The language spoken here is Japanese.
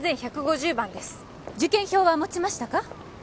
３１５０番です受験票は持ちましたか？